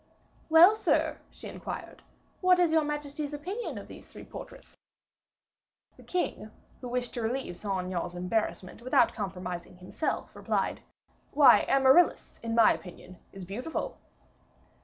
"Well, sir," she inquired, "What is your majesty's opinion of these three portraits?" The king, who wished to relieve Saint Aignan's embarrassment without compromising himself, replied, "Why, Amaryllis, in my opinion, is beautiful."